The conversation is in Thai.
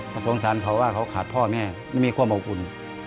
แต่สงสารเขาว่าเขาขาดพ่อแม่ไม่มีความบังคุณ